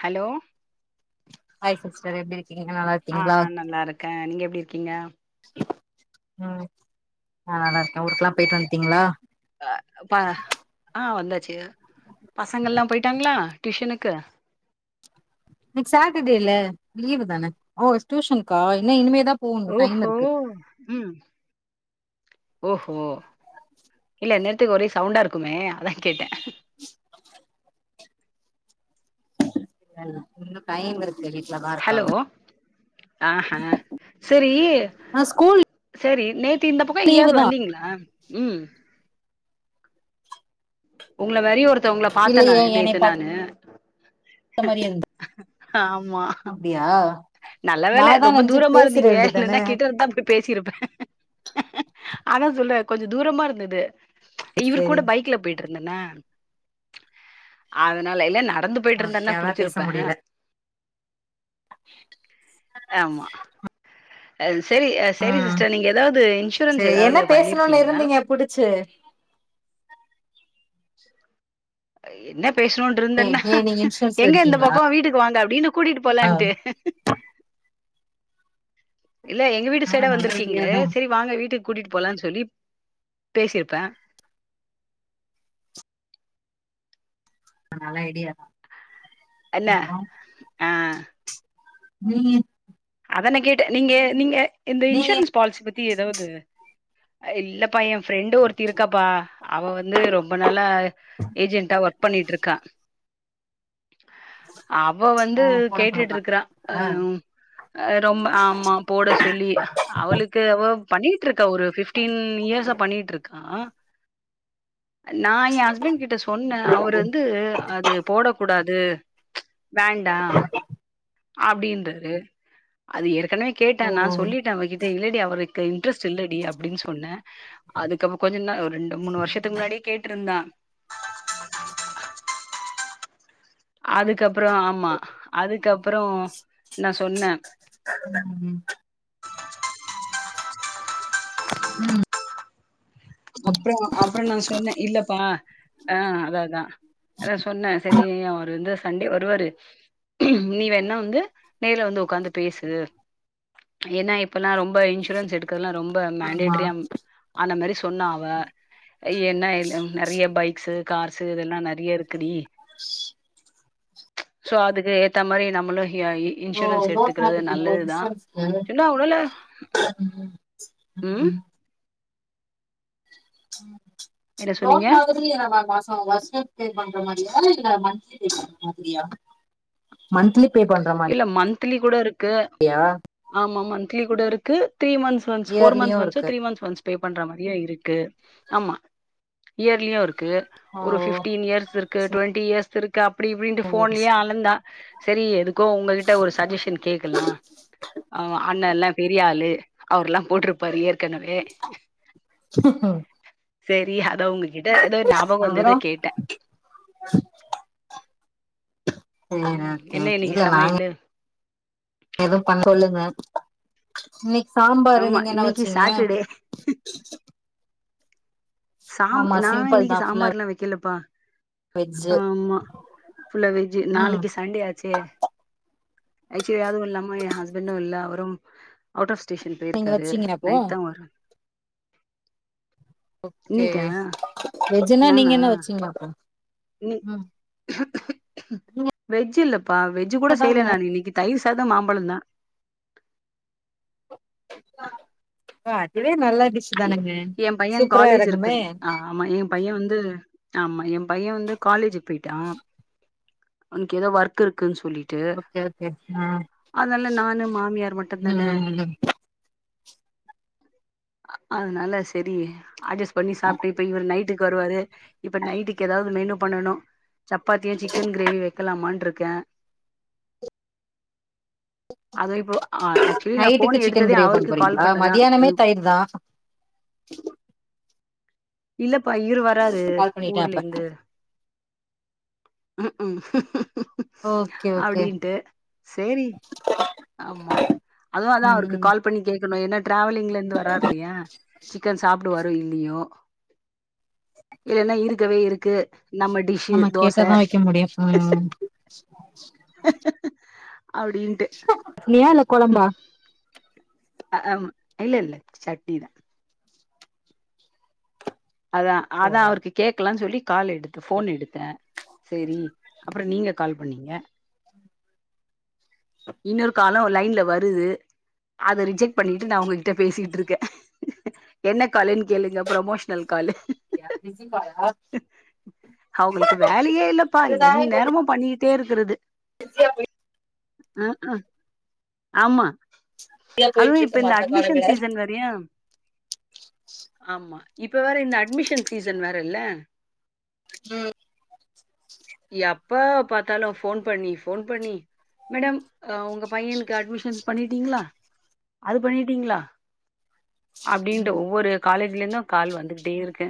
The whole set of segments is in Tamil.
ஹலோ ஆய் ச்டர் ஆ நல்லா இருக்கே நீங்க எப்டி கீங்க உ நா நல்லா இருக்கே ஊருக்கெல்லா போயிட்டு வந்துட்டீங்களா குபசங்கல்லா போயிட்டாங்களா டியூஷனுக்கு ந சாட்டர்டேல லீவ் தான ஓ டியூஷனு்கா என்ன இனிமேதா போகணு டைம் ஓஹோ இருக்கு உ ஓஹோ இல்ல இந்நேத்துக்கு ஒரே சவுண்டா இருக்குமே அதா கேட்டே ம் அ [unintelligible] இன்னு டைம் இருக்கு வீட்லதா ஹலோ இருக்காங்க ஆஹ சரி ஆ ஸ்கூல் சரி நே தி இந்த பக்கோ லீவு எங்கேயாவது தா வந்தீங்களா உ உங்கள வெறிஒரு த்தவங்கள பாத்தே நா நேத்து நானு அந்த மாரி இருந்த ஆமா அப்படியா நல்ல வேல ரொம்ப தூரமா இருந்தீங்க வேண்டியதான இல்லைன்னா கிட்ட இருந்தா ப்ப பேசிருப்பே ஆனா சொல்ல அ கொஞ்ச தூரமா இருந்தது இவர் கூட சரி பைக்ல போயிட் இரு ந்நனா அதனால இல்ல ந ந்து போயிட்டு இருந்தேனா ஓகே அதா பேச புடிச்சிருப்பே முடியல ஆமா ஆ சரி சரி ம் சிஸ்டர் நீங்க ஏதாவது இன்சூரன்ஸ் சரி என்ன ஏதாவது பேசணுனு பண்ணிருக்கீங்களா இருந்தீங்க புடிச்சு என்ன ஏ பேசணும்னுட்ருந்தேனா ஏ நீங்க இன்சூரன்ஸ்ல எங்க எந்த இருக்கீங்களா பக்கோ வீட்டுக்கு வாங்க அப்ப கூட்டிட்டு போலான்ட்டு இல்ல எங்க வீட்டு ஆ சைடே நல்ல ஐடியா வந்திருக்கீங்களே தா சரி வாங்க வீட்டுக் கூட்டிட்டு போலான்னு சொல்லி பேசிருப்பே நல்ல ஐடியாதா அல்ல ஆ உ அதான கேட்ட நீங்க நீங்க இந்த நீங்க இன்சூரன்ஸ் பால்சி பத்தி ஏதாவது அ இல்லபா யே ஃப்ரெண்டு ஒருத்தி இருக்காப்பா அவா வந்து ரொம்ப நாளா ஏஜென்ட்டா ஒர்க் பண்ணிட்டு இருக்கா அவ வந்து ஓ போட கேட்டுட்டுருக்குறா சொல்றாங்க அஹ் ரொம்ப ஆமா போடச் சொல்லி அவளுக்கு அவ பண்ணி ட்ருக்கா ஒரு ஃபிஃப்டீன் இயர்ஸா பண்ணிட்டுருக்கா நா என் ஹஸ்பண்ட் கிட்ட சொன்ன அவரு வந்து அது போடக் குடாது அ வேண்டா அப்டின்றருக் அது இருக் கண்ணு கேட்ட ஓ நா சொல்லிட்டன் அவக்கி யே இல்லடி அவருக்கு இன்ட்ரெஸ் சில்லடி அப்டின் சொன்னே அதுக்கவ கொஞ்ச நா ரெண்டு மூணு வருஷத்துக்கு முன்னாடியே கேட்டிருந்தா [inaudible] அதுக்கப்புறோ ஆமா அதுக்கப்புறோ நா சொன்னே ம் ம் அப்புறோ அப்புறோ நா சொன்னே இல்லப்பா ஆ அததா அதா சொன்னே சரி அவரு வந்து சண்டே வருவாரு நீ வேன்னா வந்து நேர்ல வந்து உக்காந்து பேசு ஏன்னா இப்பல்லா ரொம்ப இன்சூரன்ஸ் எடுக்க ல்லா ரொம்ப ஆமா மேண்டேட்டரியா ஆன மாரி சொன்னாவ ஐ என்ன நெறைய பைக்ஸு கார்ஸு இதெல்லா நெறைய இருக்குடி சோ அதுக்கு ஏத்த மாரி நம்மளு எ ஓ இன்சூரன்ஸ் லோன் எடுத்துக்குறது மாதிரி ஓ நல்லதுதா இன்சூரன்ஸ்க்கு என்னா ஒருவேள ம் ம் ம் என்ன சொன்னீங்க ரோன் மாதிரி [unintelligible] மாசம் வஷ பே பண்ற மாதிரியா இல்ல மண் மாதிரியா மந்த்லி பே பண்ற மாதி தில்லி கூட இருக் க்கு ஆமா மந்த்லி கூடருக்கு three months once four months yearly once இருக்கு த்ரீ மந்ஸ் ஒன்ஸ் பே பண்ற மாரியா இருக்கு ஆமா இயர்லியுருக்கு க்கு ஓ ஒரு ஃபிஃப்டீன் இயர்ஸ் இருக் க்கு டொண்டி இயர்ஸ் இருக் க்கு அப்பிடி இப்பிடின்ட்டு ஃபோன்லயே அளந்தா சேரி எதுக் கோ உங்ககிட ஒரு சஜஷன் கேக்கலா ஆ அண்ணல பெரியாளு அவுர்லா போட்ருபாரு ஏற் ம் சேரி அ த்தா உங்ககிட்ட எதோ ஞாபக அப்புறோ வந்தது கேட்ட ம் ம் ம் இது நாங்க எதுவு பண்ண சொலுங்க இன்னிக் சாம்பாரு ஆமா நீங்க என்ன இன்னைக்கு வச்சீங்க சாட்டர்டே சாம் ஆமா நா சிம்பிள் இன்னிக்கு தா ஃபுல்லா சாம்பார்லா வெக்கில ப்பா வெஜ்ஜு ஆமா ஃபுல்ல வெஜ்ஜு ம் நாளைக்கு சண்டே ஆச்சே ஐசுயதுவு இலலாம எ ஹஸ்பண்டு இல்ல அவுரு அவுட் ஆப் ஸ்டேஷன் நீங்க போயிருகாரு வச்சீங்க அப்போ நைட்தா வரு ஓக்கே இன்னைக்கா வெஜ்னா நீங்க என வச்சீங்க அப்போ நீ ம் வெஜ் இல்ல பா வெஜ் கூட அதாங்க செய்யல நா இன்னிக்கு தயிர் த்தாது மாம்பழ தா ஆ அதுவே நல்லா ஏ பைய காலேஜ் இருக்குன் ஆ ஆமா ஏ பைய வந்து ஆமா ஏ பைய வந்து காலேஜ் போயிடா அவனுக் எதோ ஒர்க் இருகுனு சொ சொல்லிட்டு ஓகே ஓகே ஆ அதனா நானு மாமியார் மட்டுதான ம் அதனால சேரி அஜெஸ் பண்ணி சாப்புட்டு இப்ப இவர் நைட் ட்டுக்கு வருவாரு இப்ப நைட்டுக்கு எதாது மெனு பண்ணனு சப்பாத்தியு சிக்கன் கிரேவி வக்கலாமான்ருக் கே அதுவு இப்போ அ ஆக்சுவலி நா நைட்டுக்கு ஃபோன் சிக்கன் எடுத்ததே கிரேவி பண்ண அவருக்கு கால் போறீங்களா பண்ணதா அது மதியானமே தயிர் தா [inaudible] இல்ல ப்பா இரு வராரு கால் பண்ணிட்டே அப்ப ஊர்லேந்து ம் ம் ஓகே ஓகே அப்டீன்ட்டு சேரி ஆமா அதுவு அதா ம் அவருக்கு ம் கால் பண்ணி கே க்கனு என்ன டிராவலிங்லெந்து வரார்லயா சிக்கன் சாப்டுவா ரோ இல்லியோ இல்லன்னா இருக்கவே இருக்கு நம்ம டிஷ்ஷு தோச க்க முடியு‌ ம் [unintelligible] வியா இல்ல கொழம்பா அ அம் இல்லெல்ல சட்னி தா அதா அதா அவருக்கு கேக்கலான் சொல்லி கால் எடுத்த ஃபோன் எடுத்தே சேரி அப்ற‌ நீங்க கால் பண்ணீங்க இன்னொரு காலு லைன்ல வருது அத ரிஜெக்ட் பண்ணிட்டு நா உங்ககிட்ட பேசிட்ருக்கே என்ன காலுன் கேளுங்க புரமோஷ் னல் காலு யா அவுகளுக்கு வேலையே இல்லப்பா என் நேரமு பண்ணி ட்டே இருக்குறது பிசியா பொய் அ அ ஆமா பிஸியா அதுவு போயிட்டு இருக்கு இப்ப இந்த மத்த கால அட்மிஷன் விட சீசன் வேறயா ஆமா இப்ப வேற இந்த அட்மிஷன் சீசன் வேறல்ல [inaudible] ம் எப்ப பாத்தாலு ஃபோன் பண்ணி ஃபோன் பண்ணி மேடம் உங்க பையனுக்கு அட்மிஷன்ஸ் பண்ணிட்டீங்ளா அது பண்ணிட்டீங்ளா அப்டீன்டு ஒவ்வொரு காலேஜ்லெந்து கால் வந்துகிட்டே இருக்கு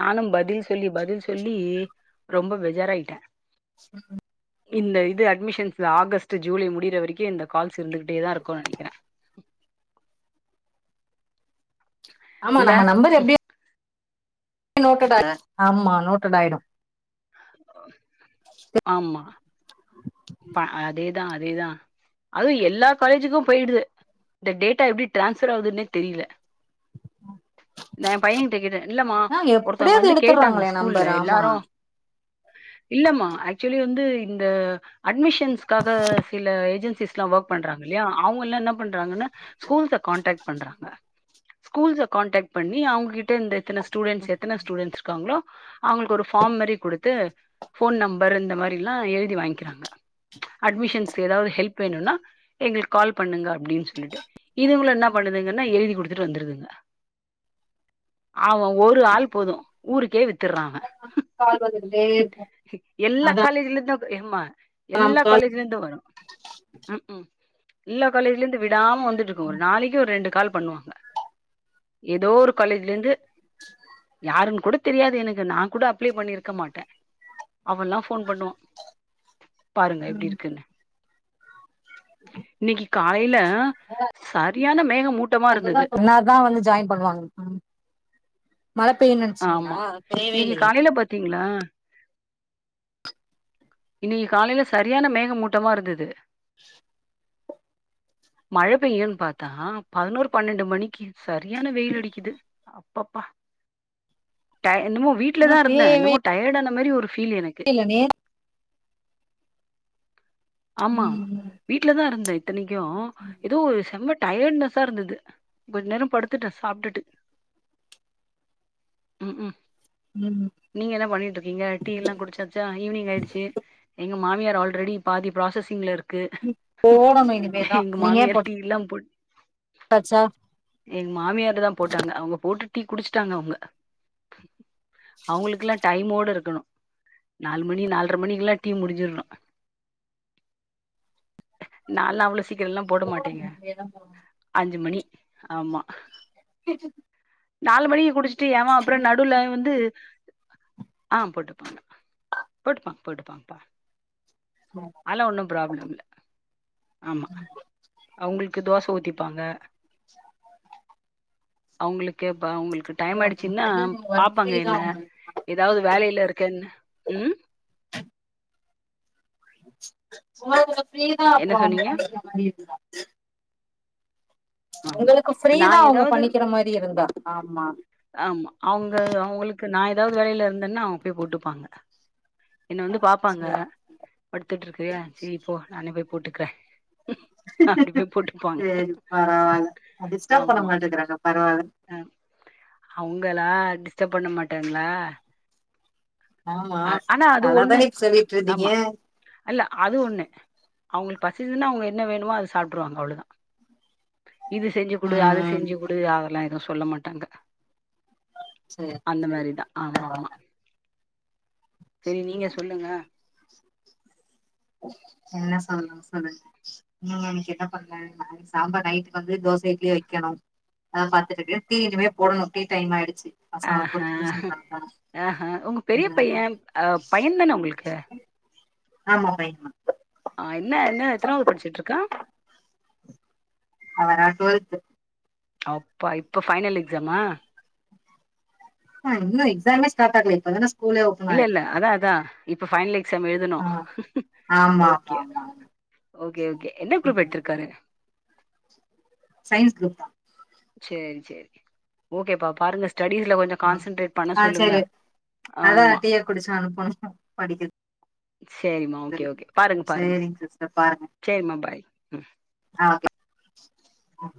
நானு பதில் சொல்லி பதில் சொல்லி ரொம்ப பெஜாராயிட்டே ம் ம் இந்த இது அட்மிஷன் ஆகஸ்ட்டு ஜூலை முடிற வரைக்கு இந்த கால்ஸ் இருந்துகிட்டேதா இருக்குன் நெனக்கிறே ஆமா நம்ம நம்பர் எப்டி நோட்டெட் ஆமா நேட்டெடாய்டு ஆமா அதேதா அதேதா அதுவு எல்லா காலேஜுக்கு போயிடுது இந்த டேட்டா எப்டி டிரான்ஸபர் ஆவுதுன்னே தெரியல நா எ பையே கிட்டக்கேட்டே இல்லம்மா ஆ எப்டியோ ஒருத்தங்க அது வந்து கேட்டாங்க எடுத்துடுறாங்களே ஸ்கூல்ல நம்பர் ஆமா எல்லாரு இல்லமா ஆக்சுவலி வந்து இந்த அட்மிஷ் ஸ்காக சில ஏஜென்ச் ஸ்லா ஒர்க் பண்றாங்க இல்லையா அவுங்கல்லா என்ன பண்றாங்கன்னா ஸ்கூல்ஸ கான்டாக்ட் பண்றாங்க ஸ்கூல்ஸ காண்டாக்ட் பண்ணி அவங்ககிட்ட இந்த எத்தன ஸ்டூடண்ட்ஸ் எத்தன ஸ்டூடண்ட்ஸ் இருக்காங்களோ அவங்களுக் ஒரு ஃபார்ம் மாரி குடுத்து ஃபோன் நம்பர் இந்த மாரிலா எழுத் தி வாங்க்கிறாங்க அட்மிஷன்ஸ் ஏதாவது ஹெல்ப் வேணும்னா எங்களுக்கு கால் பண்ணுங்க அப்படின்னு சொல்லிட்டு இதுங்களு என்ன பண்ணுதுங்கன்னா எழுதி குடுத்துட்டு வந்துருதுங்க ஆவ ஒரு ஆள் போது ஊருக்கே வித்து த்துர்ரா அவ கால் வந்துகிட்டே இருக்கு எல்லா அதா காலேஜலந்து என்ம்மா எல்லா நமக்கு கால் காலேஜ்லந்து வரு உ உ எல்லா காலேஜ்ல இருந்து விடாம் வந்துட்ருக்கும் ஒரு நாளைக்கு ஒரு ரெண்டு கால் பண்ணுவாங்க ஏதோ ஒரு காலேஜ்ல இருந்து யாருன்னு கூட தெரியாது எனக்கு நா கூட அப்ளை பண்ணிருக்க மாட்டே அவளல்லா ஃபோன் பண்ணுவா பாருங்க ம் எப்டி இருக்குன்னு இன்னைக்கு காலைல ந சரியான மேகமூட்டமா இருந்தது என்னாதா வந்து ஜாயின் பண்ணுவாங்க மேம் மழ பெய்யுணும்னுநெனச்சுங்களா ஆமா பேயவே இன்னைக்கு இல்லையே காலையில பாத்தீங்களா இன்னைக்கு காலைல சரியான மேகமூட்டமா இருந்தது மழ பெய்யும்ன்னு பாத்தா பதினோரு பன்னெண்டு மணிக்கு சரியான வெயில் அடிக்குது அப்பப்பா டை இன்னமோ வீட்டுல ஆ தா இருந்தே பெய்யவே என்னமோ டயர்டான மாரி ஒரு ஃபீல் எனக்கு இல்ல நேத் ஆமா ம் வீட்டு்லதா இருந்தே தனி க்கும் ஏதோ ஒரு செம்பட் டயர்ட்னஸ்ஸா இருந்தது கொஞ்சம் நேரம் படுத்துட்டேன் சாப்பிட்டுட்டு ம் ம் ம் நீங்க என்ன பண்ணிட்டு இருக்கீங்க டீ எல்லாம் குடிச்சாச்சா ஈவினிங் ஆயிடுச்சு மாமியார் ஆல்ரெடி பாதி ப்ராசஸிங்ல இருக் கு ம் போடணு எங்க மாமியார் டீயெல்லாம் போட் ஆச்சா எங்க மாமியாரு தான் போட்டாங்க அவுங்க போட்டு டீ குடிச்சட்டாங்க அவுங்க அவுங்களுக்கெல்லாம் டைமோட இருக்கணும் நாலு மணி நாலரை மணிக்கெல்லாம் டீ முடிஞ்சிடணும் நால அவள சீக்கிரம் எல்லாம் போட போடணு மாட்டேங்க இனிமேதா போடணு அஞ்சு மணி ஆமா கீச் நாலு மணிக்கு குடிச் ட்டு யாமா அப்ற நடுவுல வந்து ஆ போட்டுப்பாங்க போட்டுப்பாங்க போட்டுப்பாங்கப்பா ஆதலாம் ஒன்னும் ப்ராப்ளம் இல்ல ஆமா அவுங்ளுக்கு தோச ஊத்தி ப்பாங்க [inaudible] அவுங்களுக்கு எப் இப்ப அவுங்களுக்கு டைம் ஆயிடுச்சுன்னா ஒர்க் பாப்பாங்க ஃப்ரீதா என்ன உங்களுக்கு ஏதாவது வேலையில இருக்கேன்னு ம் சோறு பிஃரீனா என்ன போனவாங்க சொன்னீங்க சமைக்கிற மாரி இருந்தா ஆமா உங்களுக்கு இப்ப நா ஃப்ரீதா அவங்க ஏதாவது பண்ணிக்கிற மாரி இருந்தா ஆமா ஆமா அவுங்க அவுங்களுக்கு நா ஏதாவது வேலயில இருந்தேன்னா அவுங்க போய் போட்டுப்பாங்க என்ன வந்து பாப்பாங்க சேரி படுத்துட்டு இருக்கியா செரி போ நானே போய் போட்டுக்க அப்டி போய் போட்டுப்பாங்க சேரி பரவால்ல டிஸ்டர்ப் பண்ண ஆமா மாட்டேங்கிறாங்க பரவால்ல அ அவங்களா டிஸ்டர்ப் பண்ண மாட்டாங்களா ஆமா அ- ஆனா அது அததா ஒண்ணு அன்னிக் சொல்லிட் இருந்தீங்க ஆமா அவுங்களுக் பசிச்னா அவுங்க என்ன வேணுமோ அத சாப்ட்ருவாங்க அவ்ளதா [unintelligible] இது செஞ்சு குடு ம் அத ம் செஞ்சு குடு அதெல்லா எது சொல்ல மாட்டாங்க சேரி அந்த சேரி மாரிதா ஆமா ஆமா சேரி நீங்க சொல்லுங்க என்ன சொல்னு சொல்லு உம் எனக்கு என்ன பண்ற நாலக் சாம்பார் நைட்டு வந்து தோசயோ இட்லியோ வக்கணு அத பாத்துகிட்கு டீ இனிமே போடணு டீ டைம் ஆயிடுச்சி ஆஹ்ஹ ஆஹ்ஹ உங்க பெரிய பைய ம் அ பையன் தான ஒங்களுக்கு ஆமா பைஃக்மா ஆ என்ன என்ன எத்தானவது படுச்சுட்ருக்கா அவனா டுவல்த்து அப்பா இப்ப பைனல் எக்ஸாமா ஆ இன்னோ எக்ஸாமே ஸ்டாட் ஆகல இப்பதான ஸ்கூலே ஓப்பன் இல்ல இல்ல ஆயிருக்கு அதா அதா இப்ப ஃபைனல் எக்ஸாம் எழுதனு ஆ ஆமா ஆமா ஒகே ஆமா ஆமா ஒகே ஓகே என்ன குரூப்பு எடுத்துருக்காரு சைன்ஸ் குரூப் தா சேரி சேரி ஓகேப்பா பாருங்க ஸ்டடீஸ்ல கொஞ்சோ கான்சன்ட்ரேட் பண்ண ஆ சொல்லுங்க சரி அதா டீய குடிச்சு அனுப்பனு படிக்குது சேரிமா ஓகே ஓகே பாருங்க பாருங்க சரிங்க சிஸ்டர் பாருங்க சேரிமா பாய் உம் ஆ ஓகே